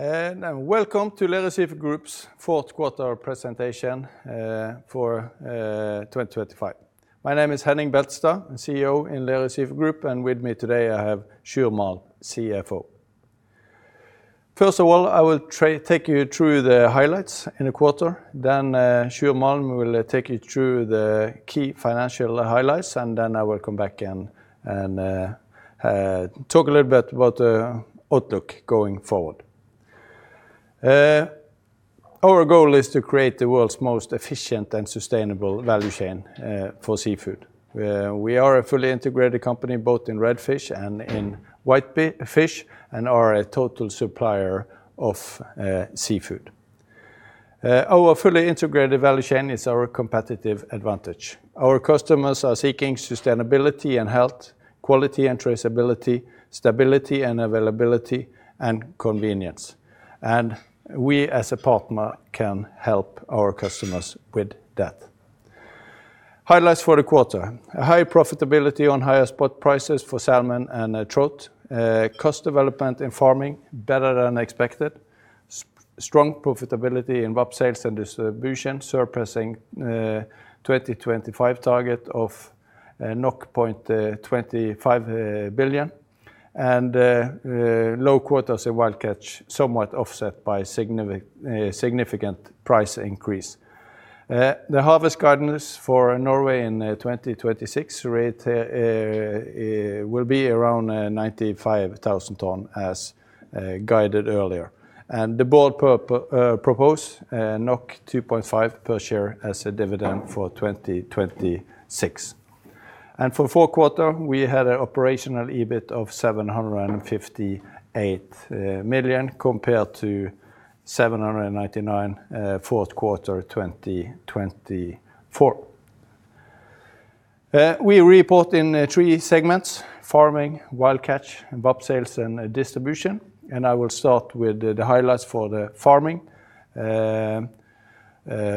Welcome to Lerøy Seafood Group's fourth quarter presentation for 2025. My name is Henning Beltestad, CEO in Lerøy Seafood Group, and with me today, I have Sjur Malm, CFO. I will take you through the highlights in the quarter, then Sjur Malm will take you through the key financial highlights, then I will come back and talk a little bit about the outlook going forward. Our goal is to create the world's most efficient and sustainable value chain for seafood. We are a fully integrated company, both in red fish and in white fish, and are a total supplier of seafood. Our fully integrated value chain is our competitive advantage. Our customers are seeking sustainability and health, quality and traceability, stability and availability, and convenience, and we, as a partner, can help our customers with that. Highlights for the quarter: a high profitability on higher spot prices for salmon and trout. Cost development in farming, better than expected. Strong profitability in VAP, Sales and Distribution, surpassing 2025 target of 1.25 billion. Low quotas in Wild Catch, somewhat offset by significant price increase. The harvest guidance for Norway in 2026 rate will be around 195,000 tons, as guided earlier. The board propose 2.5 per share as a dividend for 2026. For fourth quarter, we had an operational EBIT of 758 million, compared to 799, fourth quarter, 2024. We report in 3 segments: Farming, Wild Catch, and VAP, Sales and Distribution. I will start with the highlights for the farming.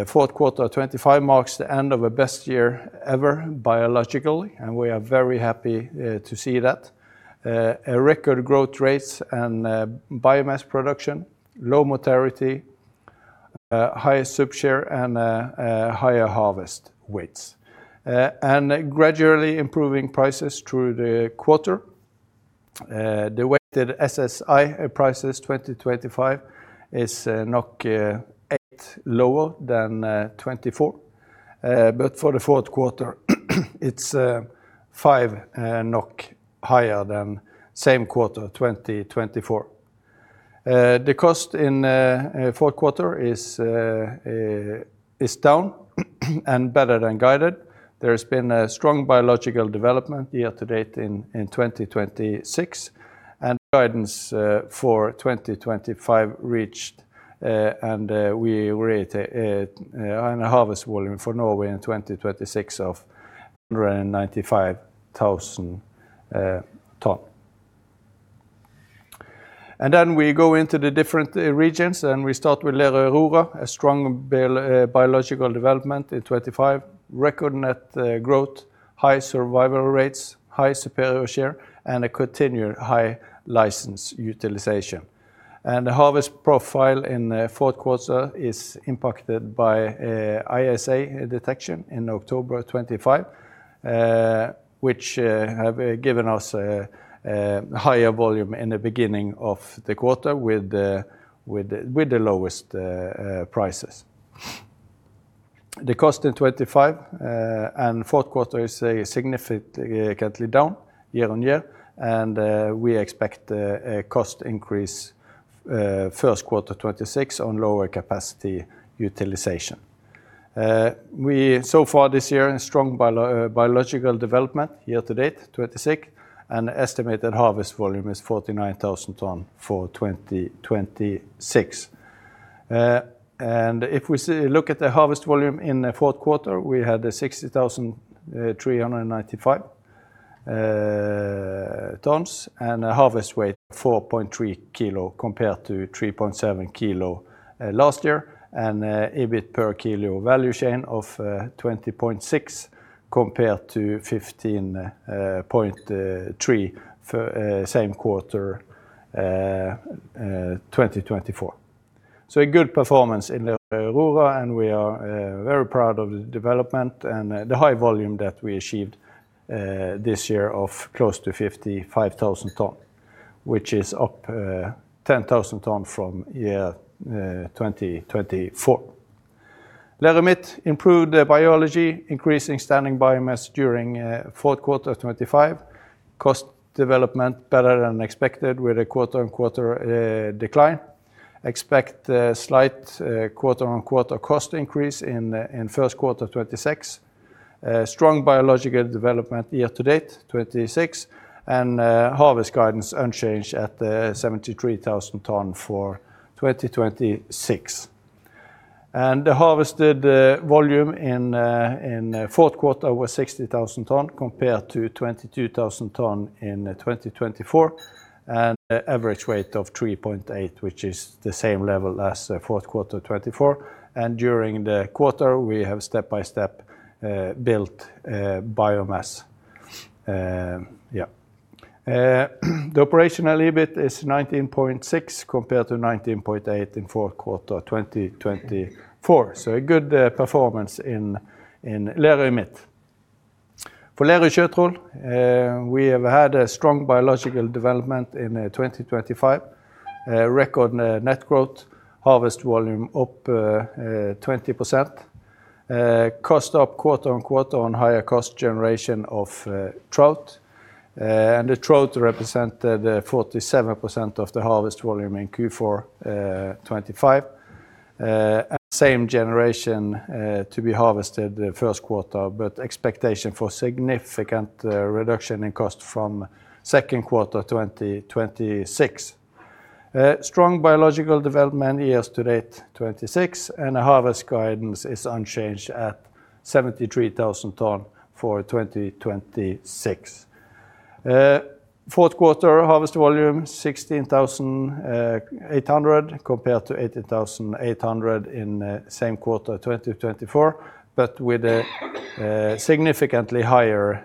Fourth quarter 2025 marks the end of the best year ever, biologically, and we are very happy to see that. A record growth rates and biomass production, low mortality, higher SUP share, and higher harvest weights. Gradually improving prices through the quarter. The weighted SSI prices 2025 is 8 lower than 2024. For the fourth quarter, it's 5 NOK higher than same quarter, 2024. The cost in fourth quarter is down, and better than guided. There has been a strong biological development year to date in 2026, and guidance for 2025 reached, and we were on a harvest volume for Norway in 2026 of 195,000 tons. Then we go into the different regions, we start with Lerøy Aurora, a strong biological development in 2025, record net growth, high survival rates, high superior share, and a continued high license utilization. The harvest profile in the fourth quarter is impacted by ISA detection in October of 2025, which have given us higher volume in the beginning of the quarter with the lowest prices. The cost in 2025 and fourth quarter is significantly down year-on-year. We expect a cost increase first quarter 2026 on lower capacity utilization. So far this year, a strong biological development year to date, 2026. Estimated harvest volume is 49,000 tons for 2026. If we look at the harvest volume in the fourth quarter, we had 16,395 tons and a harvest weight of 4.3 kilo, compared to 3.7 kilo last year. EBIT per kilo value chain of 20.6, compared to 15.3 for same quarter 2024. A good performance in Lerøy Aurora, and we are very proud of the development and the high volume that we achieved this year of close to 55,000 tons, which is up 10,000 tons from year 2024. Lerøy Midt improved the biology, increasing standing biomass during fourth quarter of 2025. Cost development better than expected, with a quarter-on-quarter decline. Expect a slight quarter-on-quarter cost increase in first quarter 2026. Strong biological development year-to-date 2026, and harvest guidance unchanged at 73,000 tons for 2026. The harvested volume in fourth quarter was 16,000 tons, compared to 22,000 tons in 2024, and an average weight of 3.8, which is the same level as the fourth quarter of 2024. During the quarter, we have step-by-step built biomass. Yeah. The operational EBIT is 19.6 compared to 19.8 in fourth quarter 2024. A good performance in Lerøy Midt. For Lerøy Sjøtroll, we have had a strong biological development in 2025. Record net growth, harvest volume up 20%. Cost up quarter-on-quarter on higher cost generation of trout. The trout represented 47% of the harvest volume in Q4 2025. Same generation to be harvested the 1st quarter, but expectation for significant reduction in cost from 2nd quarter 2026. Strong biological development years to date, 2026, and a harvest guidance is unchanged at 73,000 tons for 2026. Fourth quarter harvest volume 16,800 compared to 18,800 in same quarter 2024, with a significantly higher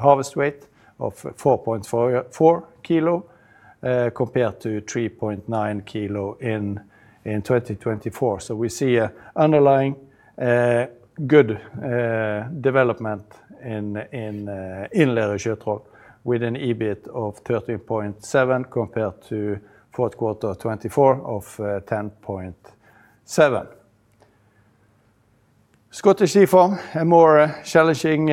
harvest weight of 4.4 kilo compared to 3.9 kilo in 2024. We see a underlying good development in Lerøy Sjøtroll, with an EBIT of 13.7 compared to fourth quarter 2024 of 10.7. Scottish Sea Farms, a more challenging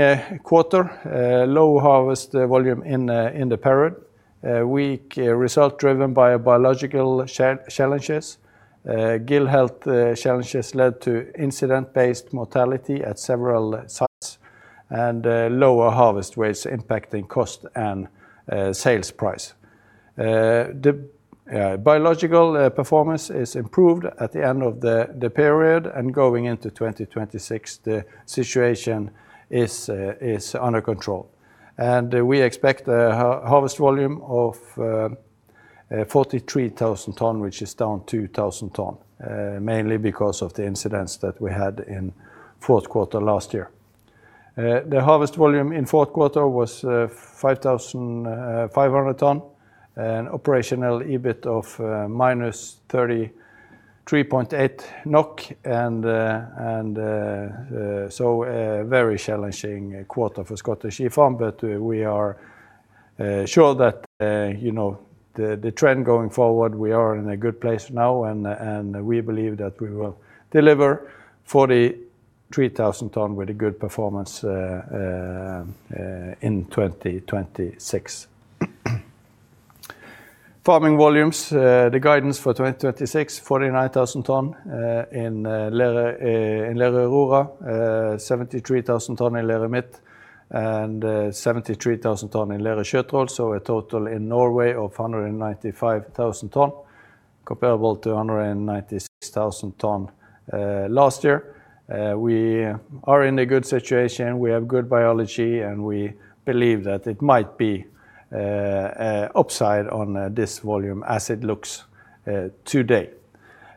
quarter. Low harvest volume in the period. Weak result driven by biological challenges. Gill health challenges led to incident-based mortality at several sites and lower harvest rates impacting cost and sales price. The biological performance is improved at the end of the period and going into 2026, the situation is under control. We expect a harvest volume of 43,000 tons, which is down 2,000 tons, mainly because of the incidents that we had in fourth quarter last year. The harvest volume in fourth quarter was 5,500 tons and operational EBIT of minus 33.8 NOK, a very challenging quarter for Scottish Sea Farms. We are sure that, you know, the trend going forward, we are in a good place now, and we believe that we will deliver 43,000 tons with a good performance in 2026. Farming volumes, the guidance for 2026, 49,000 ton, in Lerøy, in Lerøy Aurora, 73,000 ton in Lerøy Midt, and 73,000 ton in Lerøy Sjøtroll. A total in Norway of 195,000 ton, comparable to 196,000 ton last year. We are in a good situation. We have good biology, and we believe that it might be upside on this volume as it looks today.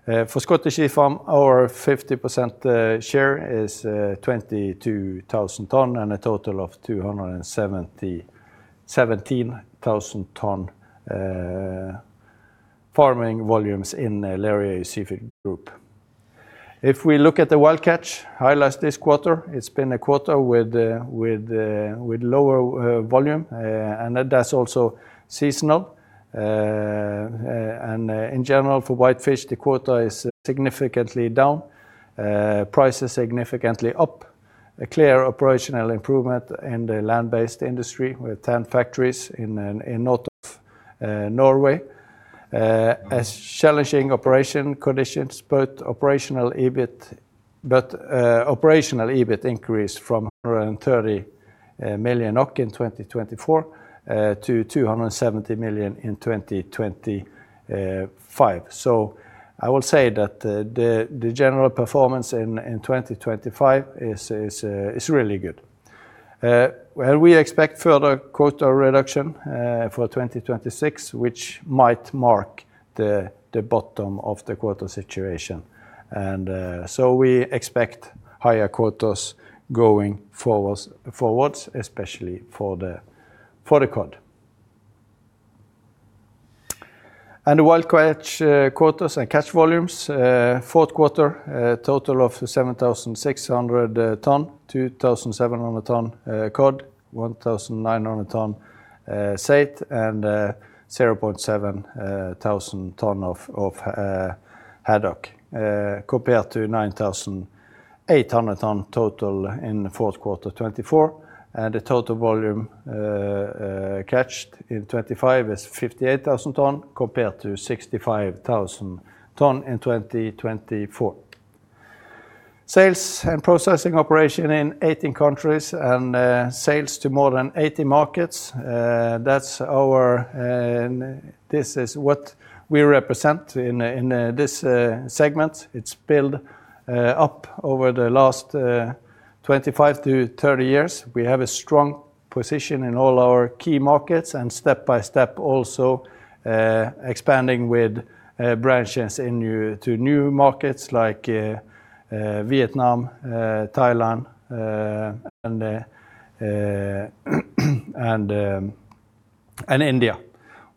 For Scottish Sea Farms, our 50% share is 22,000 ton and a total of 217,000 ton farming volumes in Lerøy Seafood Group. We look at the Wild Catch, highlights this quarter, it's been a quarter with a lower volume, and that's also seasonal. In general, for white fish, the quota is significantly down, prices significantly up. A clear operational improvement in the land-based industry, with 10 factories in North of Norway. Operational EBIT increased from 130 million in 2024 to 270 million in 2025. I will say that the general performance in 2025 is really good. We expect further quota reduction for 2026, which might mark the bottom of the quota situation. We expect higher quotas going forwards, especially for the cod. Wild Catch quotas and catch volumes, fourth quarter, a total of 7,600 tons, 2,700 tons cod, 1,900 tons saithe, and 0.7 thousand tons of haddock, compared to 9,800 tons total in fourth quarter 2024, and a total volume caught in 2025 is 58,000 tons, compared to 65,000 tons in 2024. Sales and processing operation in 18 countries and sales to more than 80 markets. This is what we represent in this segment. It's built up over the last 25 to 30 years. position in all our key markets, and step by step also, expanding with branches in new, to new markets like Vietnam, Thailand, and India,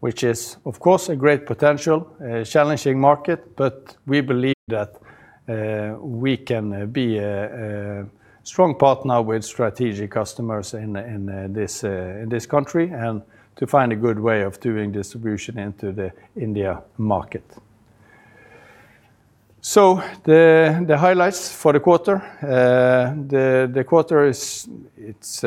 which is, of course, a great potential, challenging market, but we believe that we can be a strong partner with strategic customers in this in this country, and to find a good way of doing distribution into the India market. The highlights for the quarter. The quarter is, it's,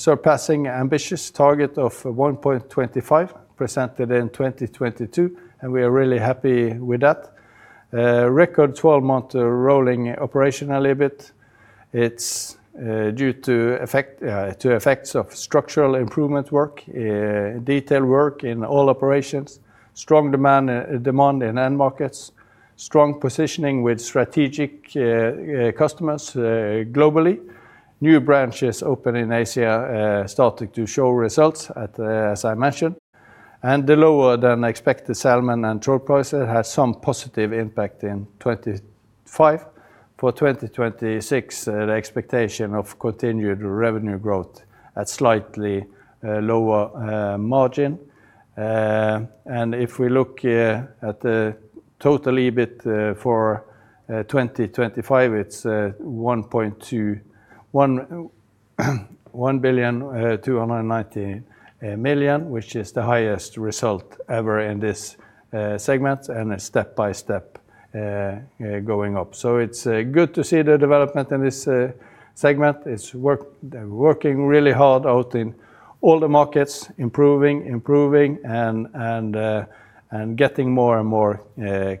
surpassing ambitious target of 1.25 billion, presented in 2022. We are really happy with that. Record 12-month rolling operational EBIT. It's due to effect, to effects of structural improvement work, detail work in all operations, strong demand in end markets, strong positioning with strategic customers, globally. New branches open in Asia, starting to show results at the, as I mentioned, and the lower than expected salmon and trout prices has some positive impact in 2025. For 2026, the expectation of continued revenue growth at slightly lower margin. If we look at the total EBIT for 2025, it's 1,290 million, which is the highest result ever in this segment, and a step-by-step going up. It's good to see the development in this segment. It's working really hard out in all the markets, improving, and getting more and more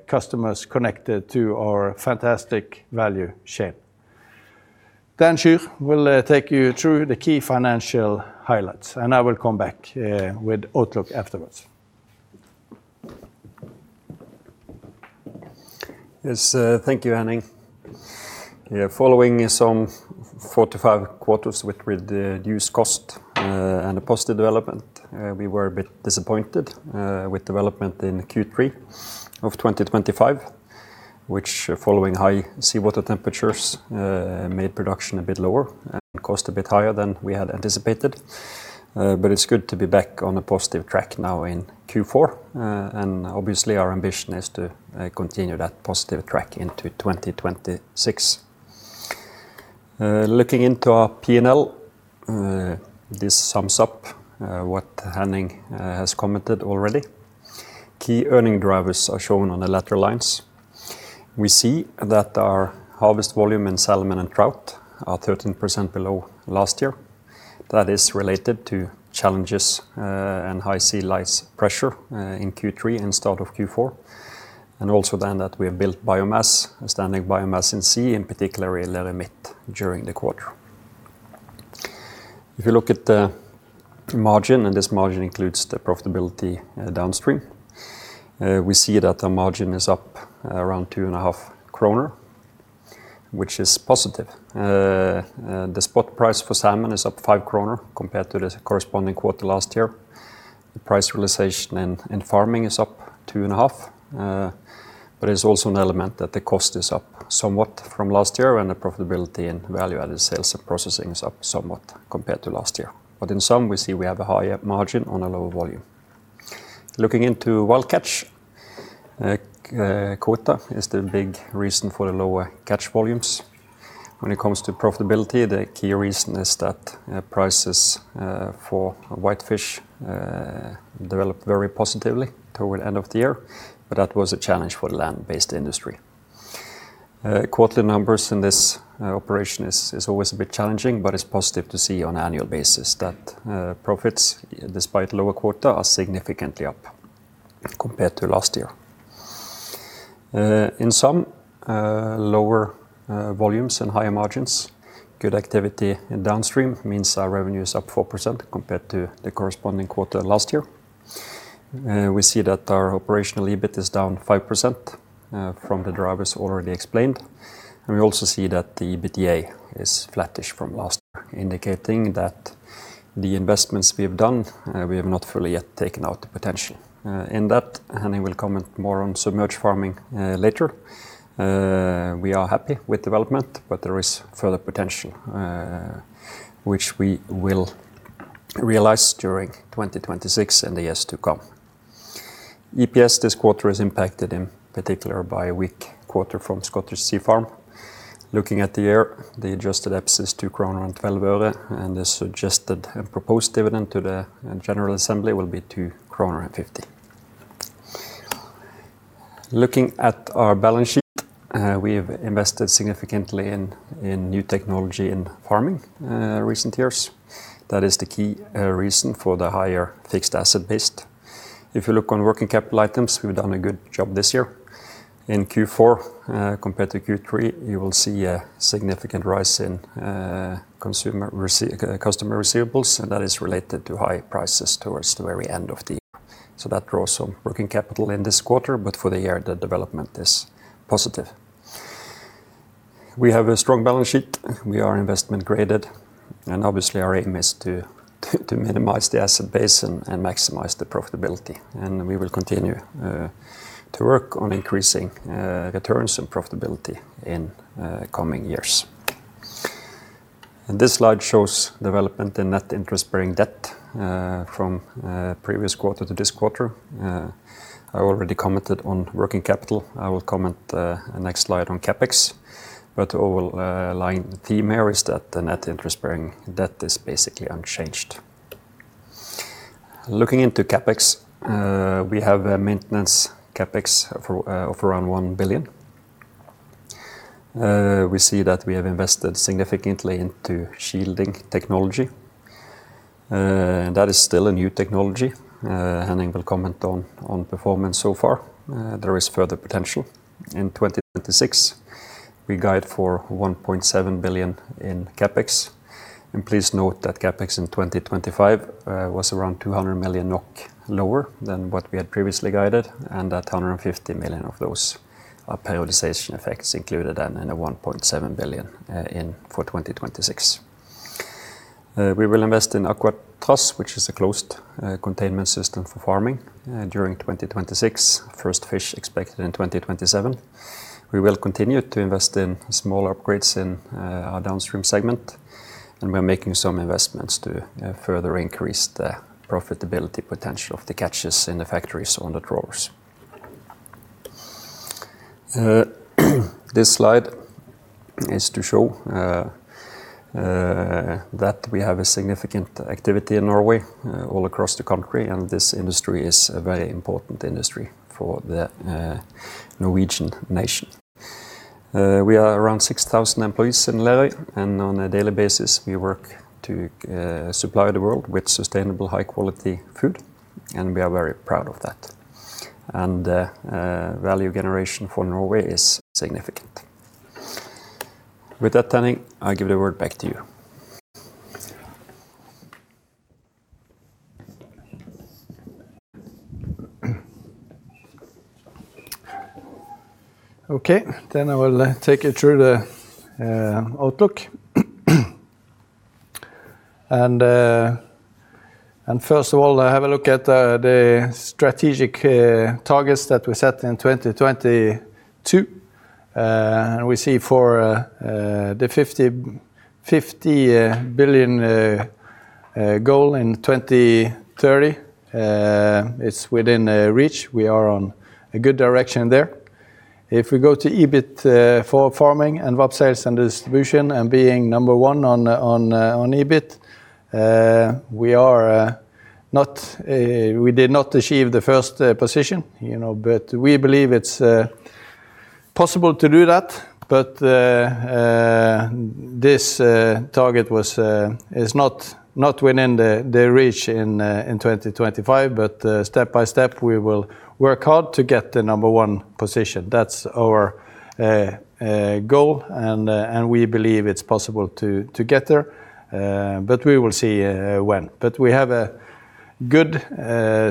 customers connected to our fantastic value chain. Sjur will take you through the key financial highlights, and I will come back with outlook afterwards. Yes, thank you, Henning. Following some 45 quarters with reduced cost, and a positive development, we were a bit disappointed with development in Q3 of 2025, which, following high seawater temperatures, made production a bit lower and cost a bit higher than we had anticipated. It's good to be back on a positive track now in Q4, and obviously our ambition is to continue that positive track into 2026. Looking into our P&L, this sums up what Henning has commented already. Key earning drivers are shown on the lateral lines. We see that our harvest volume in salmon and trout are 13% below last year. That is related to challenges, and high sea lice pressure in Q3 and start of Q4, and also then that we have built biomass, standing biomass in sea, in particular in Lerøy Midt, during the quarter. If you look at the margin, and this margin includes the profitability downstream, we see that the margin is up around two and a half kroner, which is positive. The spot price for salmon is up 5 kroner compared to the corresponding quarter last year. The price realization in farming is up two and a half NOK, but there's also an element that the cost is up somewhat from last year, and the profitability and value-added sales and processing is up somewhat compared to last year. In sum, we see we have a higher margin on a lower volume. Looking into Wild Catch, quota is the big reason for the lower catch volumes. When it comes to profitability, the key reason is that prices for whitefish developed very positively toward end of the year, but that was a challenge for the land-based industry. Quarterly numbers in this operation is always a bit challenging, but it's positive to see on annual basis that profits, despite lower quota, are significantly up compared to last year. In sum, lower volumes and higher margins, good activity in downstream means our revenue is up 4% compared to the corresponding quarter last year. We see that our operational EBIT is down 5% from the drivers already explained. We also see that the EBITDA is flattish from last year, indicating that the investments we have done, we have not fully yet taken out the potential. In that, Henning will comment more on submerged farming later. We are happy with development, but there is further potential, which we will realize during 2026 and the years to come. EPS this quarter is impacted in particular by a weak quarter from Scottish Sea Farms. Looking at the year, the adjusted EPS is 2.12 kroner, and the suggested and proposed dividend to the general assembly will be 2.50 kroner. Looking at our balance sheet, we have invested significantly in new technology in farming recent years. That is the key reason for the higher fixed asset base. If you look on working capital items, we've done a good job this year. In Q4, compared to Q3, you will see a significant rise in customer receivables, and that is related to high prices towards the very end of the year. That draws some working capital in this quarter, but for the year, the development is positive. We have a strong balance sheet. We are investment grade, and obviously our aim is to minimize the asset base and maximize the profitability. We will continue to work on increasing returns and profitability in coming years. This slide shows development in net interest-bearing debt from previous quarter to this quarter. I already commented on working capital. I will comment next slide on CapEx, but overall, the theme here is that the net interest-bearing debt is basically unchanged. Looking into CapEx, we have a maintenance CapEx of around 1 billion. We see that we have invested significantly into shielding technology, and that is still a new technology. Henning will comment on performance so far. There is further potential. In 2026, we guide for 1.7 billion in CapEx. Please note that CapEx in 2025 was around 200 million NOK lower than what we had previously guided, and that 150 million of those are periodization effects included in the 1.7 billion in for 2026. We will invest in Aquatraz, which is a closed containment system for farming during 2026. First fish expected in 2027. We will continue to invest in small upgrades in our downstream segment, and we're making some investments to further increase the profitability potential of the catches in the factories on the trawlers. This slide is to show that we have a significant activity in Norway, all across the country, and this industry is a very important industry for the Norwegian nation. We are around 6,000 employees in Lerøy, and on a daily basis, we work to supply the world with sustainable, high-quality food, and we are very proud of that. Value generation for Norway is significant. With that, Henning, I'll give the word back to you. Okay, I will take you through the outlook. First of all, have a look at the strategic targets that we set in 2022. We see for the 50 billion goal in 2030, it's within reach. We are on a good direction there. If we go to EBIT for farming and VAP, Sales and Distribution, and being number one on EBIT, we are not, we did not achieve the first position, you know, but we believe it's possible to do that, but this target was is not within the reach in 2025, but step by step, we will work hard to get the number one position. That's our goal, and we believe it's possible to get there, but we will see when. We have a good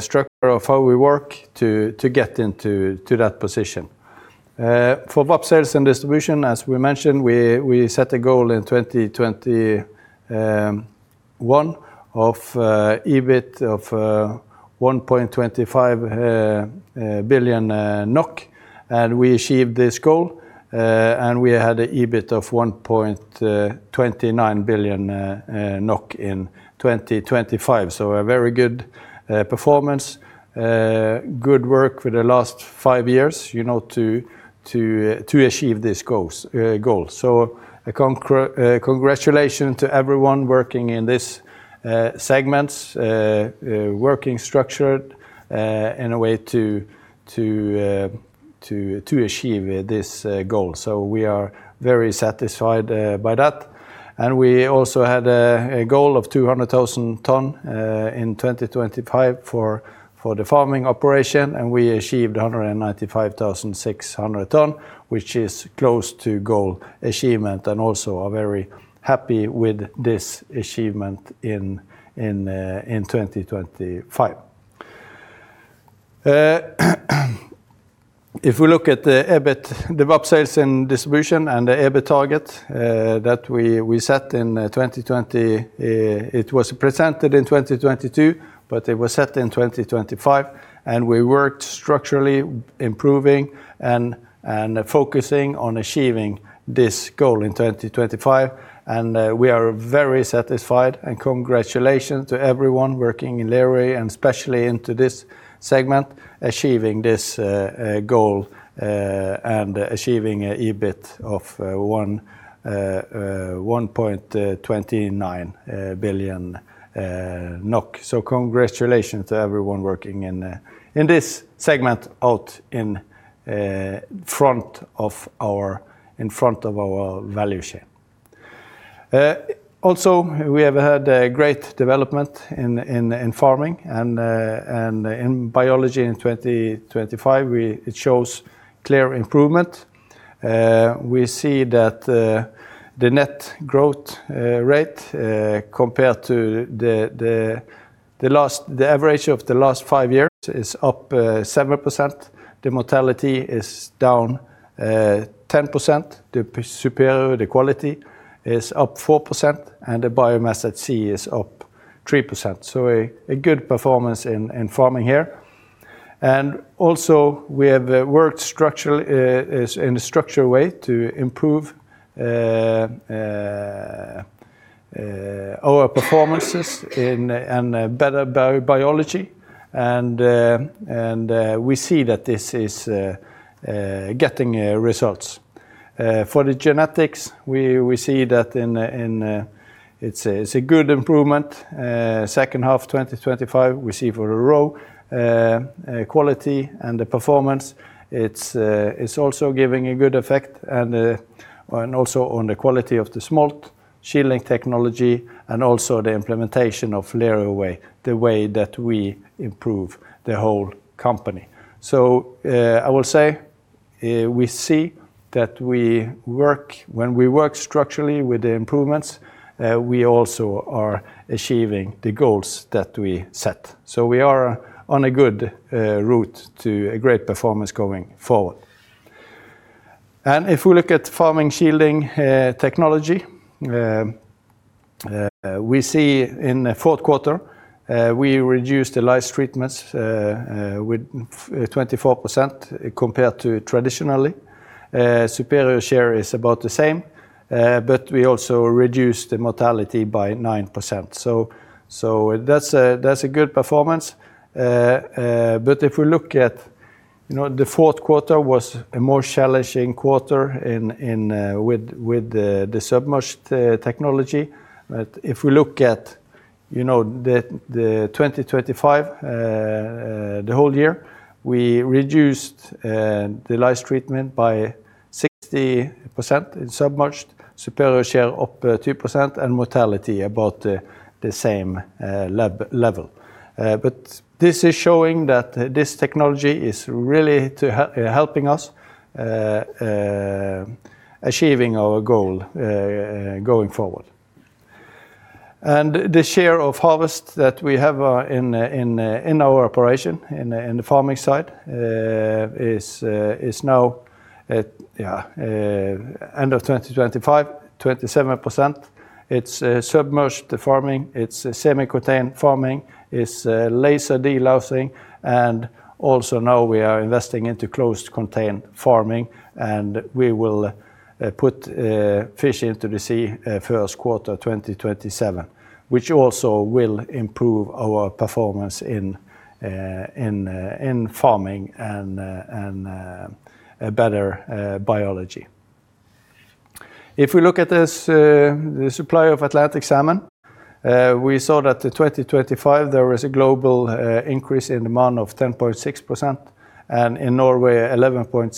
structure of how we work to get into that position. For VAP, Sales and Distribution, as we mentioned, we set a goal in 2021 of EBIT of 1.25 billion NOK, and we achieved this goal, and we had a EBIT of 1.29 billion NOK in 2025. A very good performance, good work for the last five years, you know, to achieve this goals, goal. Congratulations to everyone working in this segments, working structured in a way to achieve this goal. We are very satisfied by that. We also had a goal of 200,000 ton in 2025 for the farming operation, and we achieved 195,600 ton, which is close to goal achievement, and also are very happy with this achievement in 2025. If we look at the EBIT, the VAP, Sales and Distribution, and the EBIT target that we set in 2020, it was presented in 2022, but it was set in 2025, and we worked structurally, improving and focusing on achieving this goal in 2025, and we are very satisfied. Congratulations to everyone working in Lerøy, and especially into this segment, achieving this goal, and achieving a EBIT of 1.29 billion NOK. Congratulations to everyone working in this segment out in front of our value chain. Also, we have had a great development in farming and in biology in 2025. It shows clear improvement. We see that the net growth rate compared to the average of the last five years is up 7%. The mortality is down 10%. The superior, the quality, is up 4%, and the biomass at sea is up 3%. A good performance in farming here. we have worked structural, is in a structural way to improve our performances in and better bio-biology, we see that this is getting results. For the genetics, we see that in. It's a, it's a good improvement. Second half, 2025, we see for a row, quality and the performance, it's also giving a good effect and also on the quality of the smolt, shielding technology, and also the implementation of Lerøy Way, the way that we improve the whole company. I will say, we see that when we work structurally with the improvements, we also are achieving the goals that we set. We are on a good route to a great performance going forward. If we look at farming shielding technology, we see in the fourth quarter, we reduced the lice treatments with 24% compared to traditionally. Superior share is about the same, but we also reduced the mortality by 9%. So that's a good performance. If we look at, you know, the fourth quarter was a more challenging quarter in with the submerged technology. If we look at, you know, the 2025, the whole year, we reduced the lice treatment by 60% in submerged. Superior share up 2%, and mortality about the same level. This is showing that this technology is really helping us achieving our goal going forward. The share of harvest that we have in our operation in the farming side is now end of 2025, 27%. It's submerged farming, it's semi-contained farming, it's laser delousing. Also now we are investing into closed contained farming, and we will put fish into the sea first quarter, 2027, which also will improve our performance in farming and a better biology. If we look at this, the supply of Atlantic salmon, we saw that the 2025, there was a global increase in demand of 10.6%, and in Norway, 11.6%.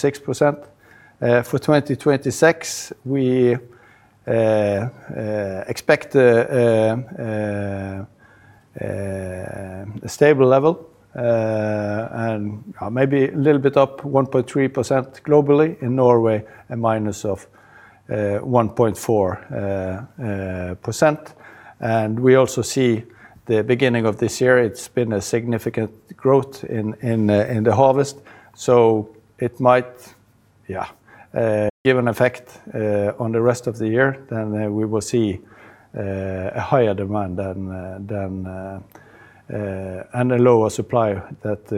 For 2026 we expect a stable level and maybe a little bit up 1.3% globally. In Norway, a -1.4%. We also see the beginning of this year, it's been a significant growth in the harvest, so it might, yeah, give an effect on the rest of the year. We will see a higher demand than and a lower supply that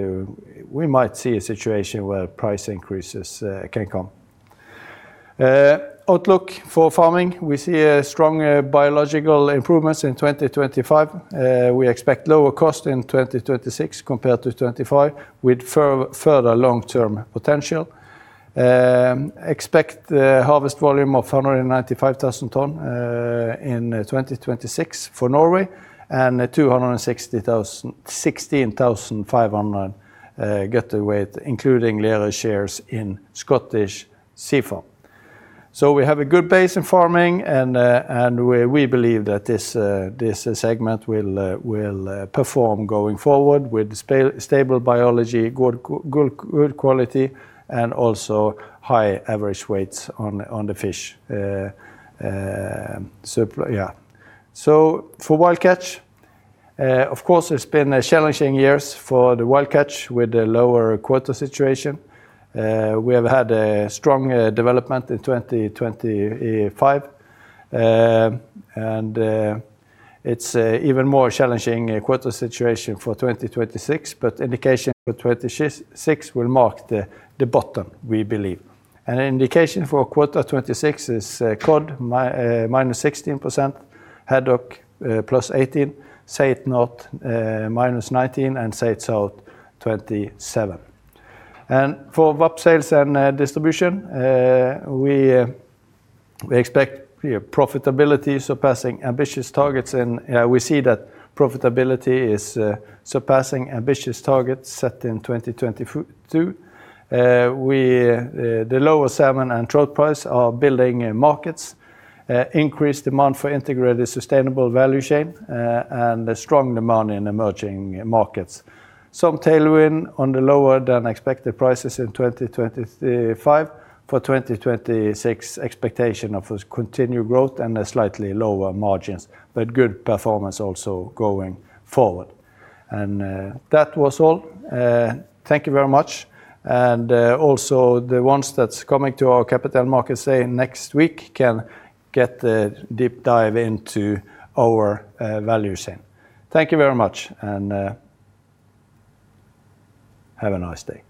we might see a situation where price increases can come. Outlook for farming, we see strong biological improvements in 2025. We expect lower cost in 2026 compared to 2025, with further long-term potential Expect the harvest volume of 195,000 tons in 2026 for Norway, and 216,500 GWT, including Lerøy shares in Scottish Sea Farms. We have a good base in farming, and we believe that this segment will perform going forward with stable biology, good quality, and also high average weights on the fish. For Wild Catch, of course, it's been a challenging years for the Wild Catch with the lower quota situation. We have had a strong development in 2025. It's even more challenging quota situation for 2026, but indication for 2026 will mark the bottom, we believe. An indication for quota 2026 is cod, -16%, haddock, +18%, saithe north, -19%, and saithe south, 27%. For VAP, Sales and Distribution, we expect profitability surpassing ambitious targets, and we see that profitability is surpassing ambitious targets set in 2022. We, the lower salmon and trout price are building in markets, increased demand for integrated sustainable value chain, and a strong demand in emerging markets. Some tailwind on the lower-than-expected prices in 2025. For 2026, expectation of a continued growth and a slightly lower margins, but good performance also going forward. That was all. Thank you very much. Also, the ones that's coming to our Capital Markets Day next week can get the deep dive into our value chain. Thank you very much, and have a nice day.